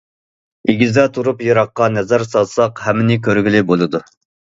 ئېگىزدە تۇرۇپ يىراققا نەزەر سالساق ھەممىنى كۆرگىلى بولىدۇ.